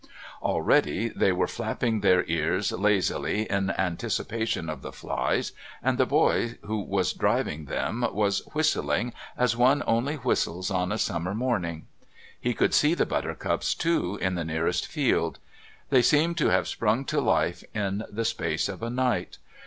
Already they were flapping their ears lazily in anticipation of the flies, and the boy who was driving them was whistling as one only whistles on a summer morning. He could see the buttercups, too, in the nearest field; they seemed to have sprung to life in the space of a night.